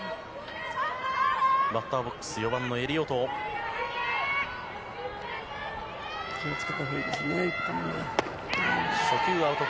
バッターボックス４番のエリオト。